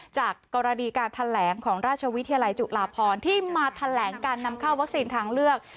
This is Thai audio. จากกรณีการแถลงของราชวิทยาลัยจุฬาพรที่มาแถลงการนำเข้าวัคซีนทางเลือก